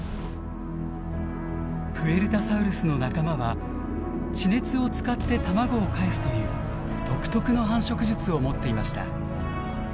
プエルタサウルスの仲間は地熱を使って卵をかえすという独特の繁殖術を持っていました。